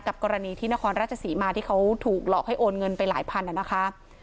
กรณีที่นครราชศรีมาที่เขาถูกหลอกให้โอนเงินไปหลายพันนะคะ